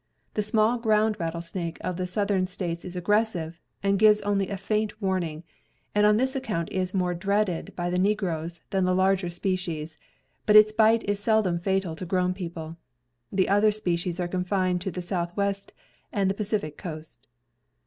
The small ground rattlesnake of the southern states is aggressive, and gives only a faint warning, and on this account is more dreaded by the negroes than the larger species; but its bite is seldom fatal to grown people. The other species are confined to the south west and the Pacific coast.